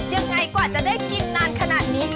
ยังไงกว่าจะได้กินนานขนาดนี้